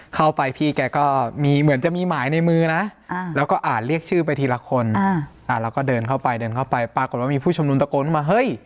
เข้าไปพี่แกก็มีเหมือนจะมีหมายในมือนะแล้วก็อ่านเรียกชื่อไปทีละคนแล้วก็เดินเข้าไปเดินเข้าไปปรากฏว่ามีผู้ชมนุมตะโกนว่ามาเฮ้ย